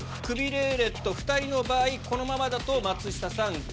クビルーレット２人の場合このままだと松下さん